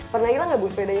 pernah ilang gak bu sepedanya